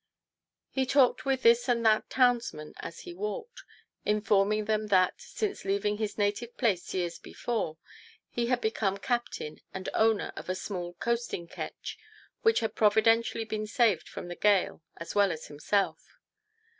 He talked with this and that townsman as he walked, informing them that, since leaving his native place years before, he had become captain and owner of a small coasting ketch, which had providentially been saved from the gale as well as himself.